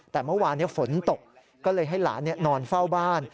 แต่เมื่อวานฝนตกก็เลยให้หลานนอนเฝ้าบ้าน